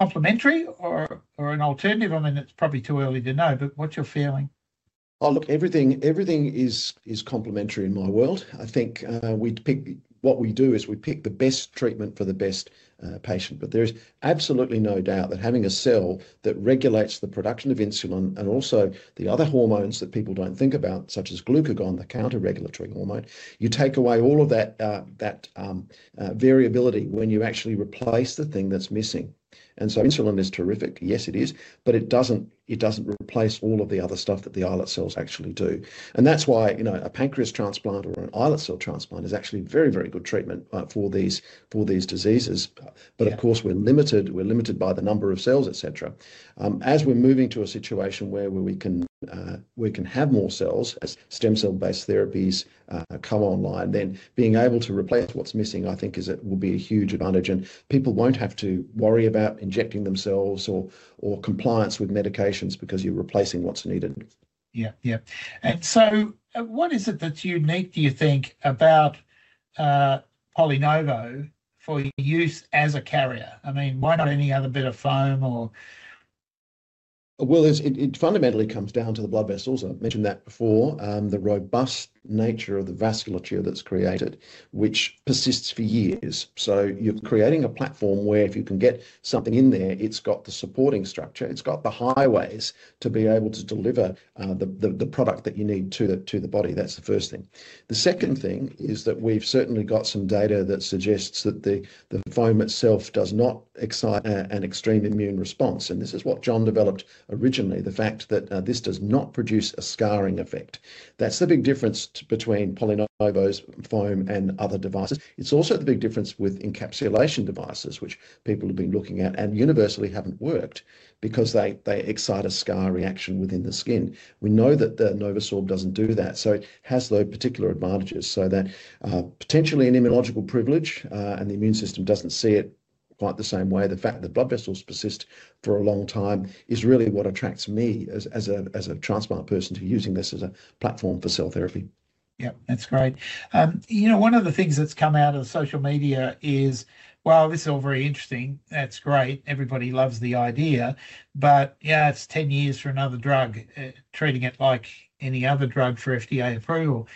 complementary or an alternative? I mean, it's probably too early to know, but what's your feeling? Everything is complementary in my world. I think what we do is we pick the best treatment for the best patient. There is absolutely no doubt that having a cell that regulates the production of insulin and also the other hormones that people do not think about, such as glucagon, the counter-regulatory hormone, you take away all of that variability when you actually replace the thing that is missing. Insulin is terrific. Yes, it is, but it does not replace all of the other stuff that the islet cells actually do. That is why a pancreas transplant or an islet cell transplant is actually very, very good treatment for these diseases. Of course, we are limited by the number of cells, etc. As we're moving to a situation where we can have more cells as stem cell-based therapies come online, then being able to replace what's missing, I think, will be a huge advantage. People won't have to worry about injecting themselves or compliance with medications because you're replacing what's needed. Yeah. Yeah. And so what is it that's unique, do you think, about PolyNovo for use as a carrier? I mean, why not any other bit of foam or? It fundamentally comes down to the blood vessels. I mentioned that before, the robust nature of the vasculature that's created, which persists for years. You are creating a platform where if you can get something in there, it's got the supporting structure. It's got the highways to be able to deliver the product that you need to the body. That's the first thing. The second thing is that we've certainly got some data that suggests that the foam itself does not excite an extreme immune response. This is what John developed originally, the fact that this does not produce a scarring effect. That's the big difference between PolyNovo's foam and other devices. It's also the big difference with encapsulation devices, which people have been looking at and universally haven't worked because they excite a scar reaction within the skin. We know that the NovoSorb does not do that. It has those particular advantages. That potentially an immunological privilege and the immune system does not see it quite the same way. The fact that the blood vessels persist for a long time is really what attracts me as a transplant person to using this as a platform for cell therapy. Yeah. That's great. You know, one of the things that's come out of social media is, well, this is all very interesting. That's great. Everybody loves the idea. Yeah, it's 10 years for another drug, treating it like any other drug for FDA approval.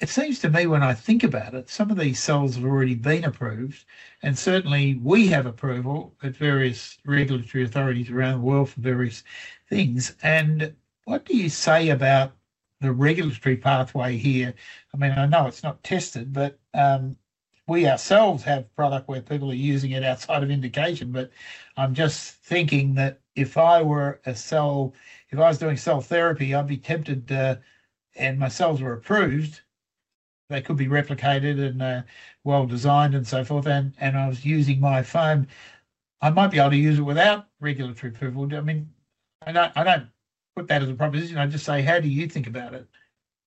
It seems to me, when I think about it, some of these cells have already been approved. Certainly, we have approval at various regulatory authorities around the world for various things. What do you say about the regulatory pathway here? I mean, I know it's not tested, but we ourselves have product where people are using it outside of indication. I'm just thinking that if I were a cell, if I was doing cell therapy, I'd be tempted to, and if my cells were approved, they could be replicated and well-designed and so forth. I was using my foam, I might be able to use it without regulatory approval. I mean, I do not put that as a proposition. I just say, how do you think about it?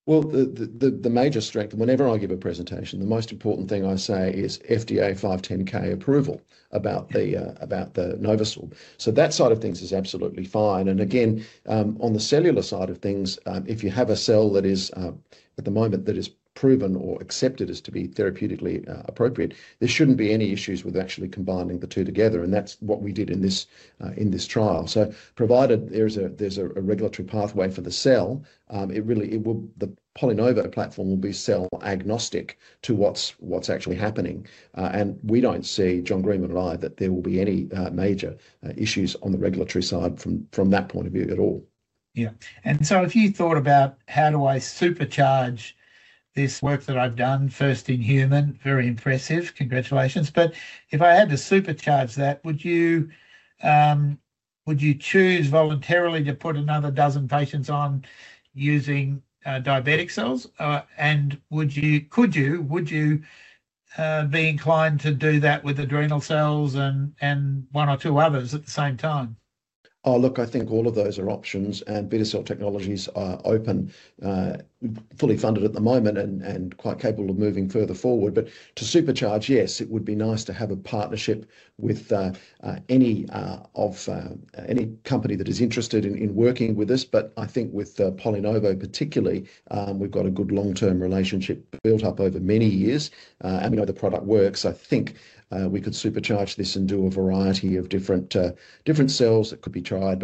The major strength, whenever I give a presentation, the most important thing I say is FDA 510(k) approval about the NovoSorb. That side of things is absolutely fine. Again, on the cellular side of things, if you have a cell that is, at the moment, that is proven or accepted as to be therapeutically appropriate, there should not be any issues with actually combining the two together. That is what we did in this trial. Provided there is a regulatory pathway for the cell, the PolyNovo platform will be cell-agnostic to what is actually happening. We do not see, John Greenwood and I, that there will be any major issues on the regulatory side from that point of view at all. Yeah. If you thought about, how do I supercharge this work that I've done, first in-human, very impressive, congratulations. If I had to supercharge that, would you choose voluntarily to put another dozen patients on using diabetic cells? Could you be inclined to do that with adrenal cells and one or two others at the same time? Oh, look, I think all of those are options. Betacell Technologies are open, fully funded at the moment, and quite capable of moving further forward. To supercharge, yes, it would be nice to have a partnership with any company that is interested in working with this. I think with PolyNovo, particularly, we have got a good long-term relationship built up over many years. We know the product works. I think we could supercharge this and do a variety of different cells that could be tried.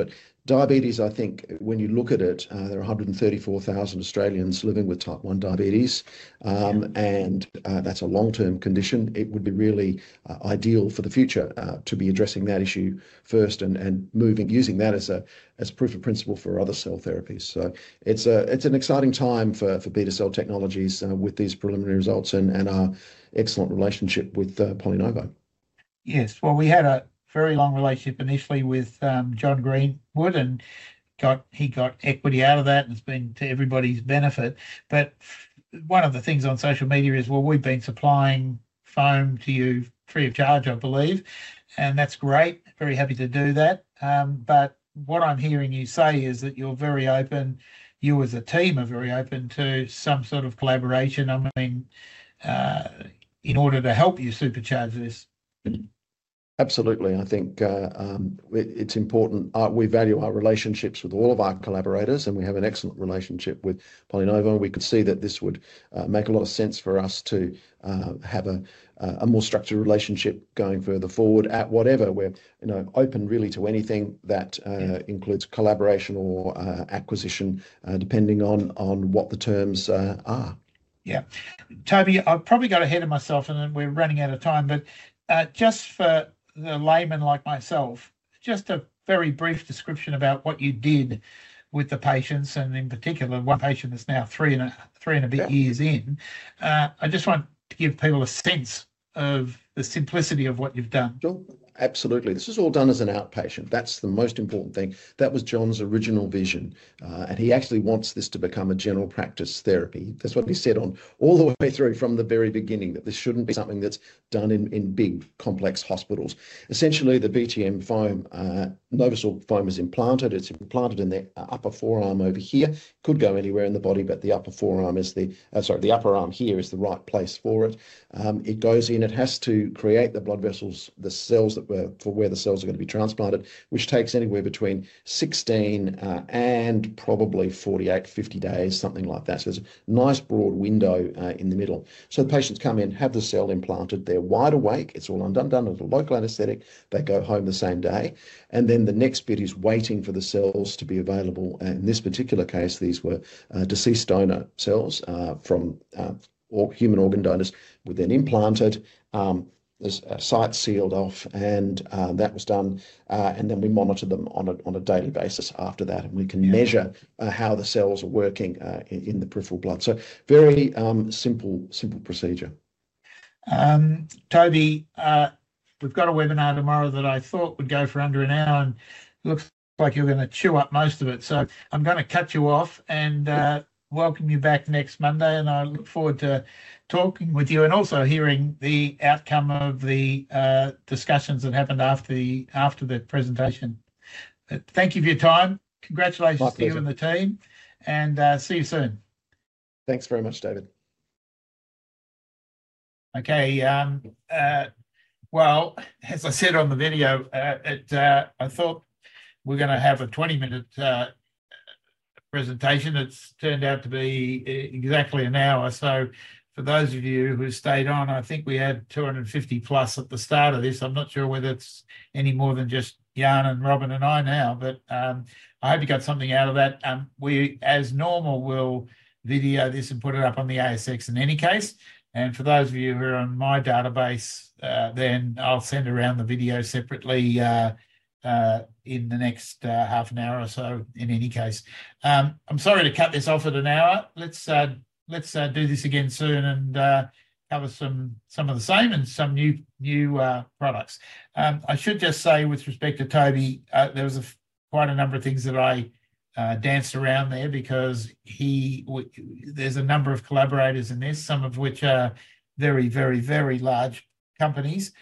Diabetes, I think, when you look at it, there are 134,000 Australians living with type 1 diabetes. That is a long-term condition. It would be really ideal for the future to be addressing that issue first and using that as proof of principle for other cell therapies. It's an exciting time for Betacell Technologies with these preliminary results and our excellent relationship with PolyNovo. Yes. We had a very long relationship initially with John Greenwood, and he got equity out of that, and it's been to everybody's benefit. One of the things on social media is, well, we've been supplying foam to you free of charge, I believe. That's great. Very happy to do that. What I'm hearing you say is that you're very open. You as a team are very open to some sort of collaboration, I mean, in order to help you supercharge this. Absolutely. I think it's important. We value our relationships with all of our collaborators, and we have an excellent relationship with PolyNovo. We could see that this would make a lot of sense for us to have a more structured relationship going further forward at whatever. We're open, really, to anything that includes collaboration or acquisition, depending on what the terms are. Yeah. Toby, I've probably got ahead of myself, and we're running out of time. Just for the layman like myself, just a very brief description about what you did with the patients, and in particular, one patient that's now three and a bit years in. I just want to give people a sense of the simplicity of what you've done. Absolutely. This was all done as an outpatient. That's the most important thing. That was John's original vision. He actually wants this to become a general practice therapy. That's what he said all the way through from the very beginning, that this shouldn't be something that's done in big, complex hospitals. Essentially, the BTM foam, NovoSorb foam is implanted. It's implanted in the upper-forearm over here. It could go anywhere in the body, but the upper-forearm here is the right place for it. It goes in. It has to create the blood vessels, the cells for where the cells are going to be transplanted, which takes anywhere between 16 and probably 40-50 days, something like that. There is a nice broad window in the middle. The patients come in, have the cell implanted. They're wide awake. is all undone, done with a local anesthetic. They go home the same day. The next bit is waiting for the cells to be available. In this particular case, these were deceased donor cells from human organ donors who were then implanted. There is a site sealed off, and that was done. We monitor them on a daily basis after that. We can measure how the cells are working in the peripheral blood. Very simple procedure. Toby, we've got a webinar tomorrow that I thought would go for under an hour. It looks like you're going to chew up most of it. I'm going to cut you and welcome you back next Monday. I look forward to talking with you and also hearing the outcome of the discussions that happened after the presentation. Thank you for your time. Congratulations to you and the team. See you soon. Thanks very much, David. Okay. As I said on the video, I thought we were going to have a 20-minute presentation. It has turned out to be exactly an hour. For those of you who stayed on, I think we had 250+ at the start of this. I am not sure whether it is any more than just Jan and Robyn and I now, but I hope you got something out of that. We, as normal, will video this and put it up on the ASX in any case. For those of you who are on my database, I will send around the video separately in the next half an hour or so, in any case. I am sorry to cut this off at an hour. Let us do this again soon and cover some of the same and some new products. I should just say, with respect to Toby, there was quite a number of things that I danced around there because there's a number of collaborators in this, some of which are very, very, very large companies.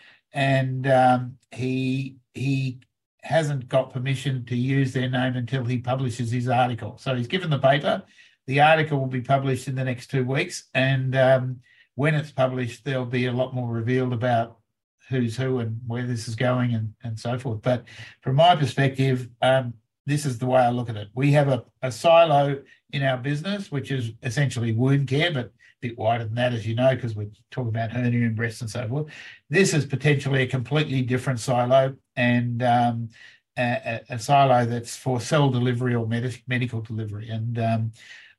He hasn't got permission to use their name until he publishes his article. He's given the paper. The article will be published in the next two weeks. When it's published, there'll be a lot more revealed about who's who and where this is going and so forth. From my perspective, this is the way I look at it. We have a silo in our business, which is essentially wound care, but a bit wider than that, as you know, because we're talking about hernia and breast and so forth. This is potentially a completely different silo and a silo that's for cell delivery or medical delivery. I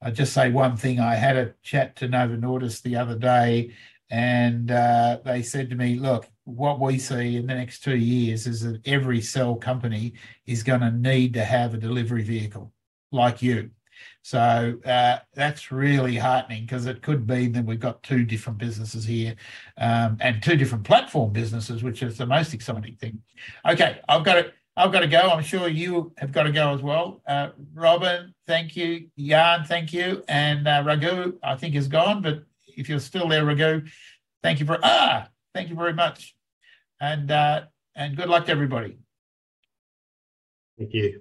will just say one thing. I had a chat to Novo Nordisk the other day, and they said to me, "Look, what we see in the next two-years is that every cell company is going to need to have a delivery vehicle like you." That is really heartening because it could be that we have got two different businesses here and two different platform businesses, which is the most exciting thing. Okay. I have got to go. I am sure you have got to go as well. Robyn, thank you. Jan, thank you. And Raghu, I think, is gone. If you are still there, Raghu, thank you very much. Good luck to everybody. Thank you.